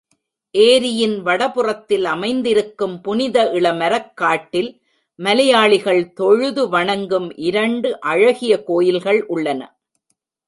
ஏரியின் வட புறத்தில் அமைந்திருக்கும் புனித இளமரக் காட்டில் மலையாளிகள் தொழுது வணங்கும் இரண்டு அழகிய கோயில்கள் உள்ளன.